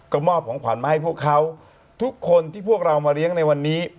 ก็มอบของขวัญมาให้พวกเขาทุกคนที่พวกเรามาเลี้ยงในวันนี้